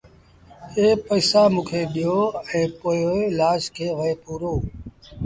اي پئيٚسآ موݩ کي ڏيو ائيٚݩ پو لآش کي وهي پورو